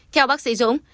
theo bác sĩ dũng